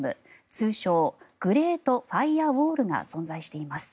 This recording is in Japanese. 通称グレート・ファイアウォールが存在しています。